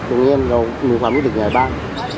เท่านี้เรามีความพี่ถึงไหนบ้าง